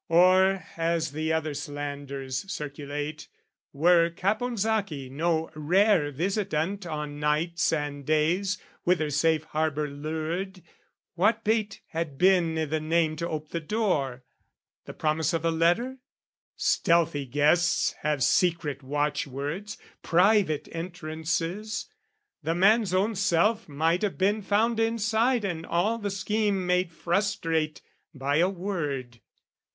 Or, as the other slanders circulate, Were Caponsacchi no rare visitant On nights and days whither safe harbour lured, What bait had been i' the name to ope the door? The promise of a letter? Stealthy guests Have secret watchwords, private entrances: The man's own self might have been found inside And all the scheme made frustrate by a word.